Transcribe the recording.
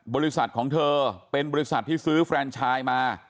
บริษัทของเธอเป็นบริษัทที่ซื้อแฟนชายมา